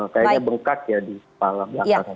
kayaknya bengkak ya di kepala belakang